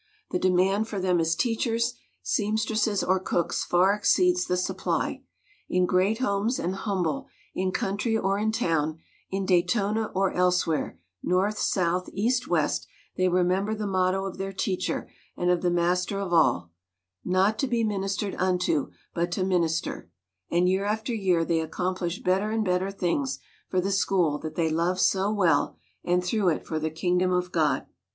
The demand for them as teachers, seam stresses, or cooks far exceeds the supply. In great homes and humble, in country or in town, in Daytona or elsewhere North, South, East, West they remember the motto of their teacher and of the Master of all, "Not to be ministered unto but to min ister;" and year after year they accomplish better and better things for the school that MARY McLEOD BETHUNE 81 they love so well and through it for the Kingdom of God.